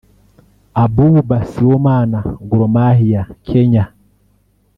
Abouba Sibomana (Gor Mahia/Kenya)